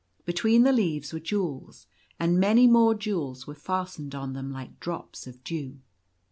Between the leaves were jewels, and many more jewels were fastened on them like drops of dew.